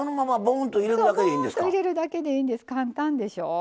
ぼんと入れるだけでいいんです簡単でしょう。